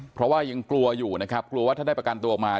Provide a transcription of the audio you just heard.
เพราะว่ายังกลัวอยู่นะครับกลัวว่าถ้าได้ประกันตัวออกมา